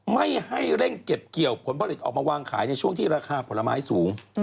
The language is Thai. ไม่ให้เร่งเก็บเกี่ยวผลผลิตออกมาวางขายในช่วงที่ราคาผลไม้สูง